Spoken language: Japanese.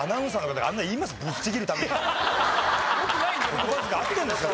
言葉遣い合ってるんですか？